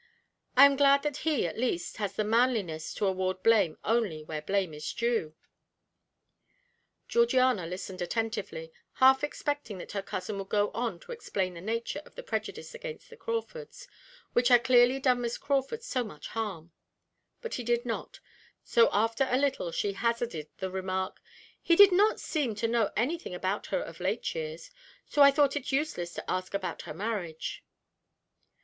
I am glad that he, at least, has the manliness to award blame only where blame is due." Georgiana listened attentively, half expecting that her cousin would go on to explain the nature of the prejudice against the Crawfords, which had clearly done Miss Crawford so much harm; but he did not, so after a little she hazarded the remark: "He did not seem to know anything about her of late years, so I thought it useless to ask about her marriage."